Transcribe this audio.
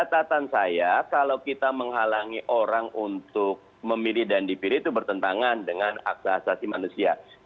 catatan saya kalau kita menghalangi orang untuk memilih dan dipilih itu bertentangan dengan hak asasi manusia